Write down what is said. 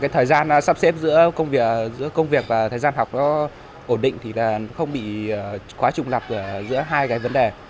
thời gian sắp xếp giữa công việc và thời gian học ổn định thì không bị quá trùng lập giữa hai vấn đề